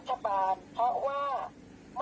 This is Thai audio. แถมว่าเขาไปตรวจเอกชนแล้วใครอยากเสียตังค่ะ